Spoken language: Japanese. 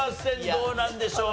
どうなんでしょう。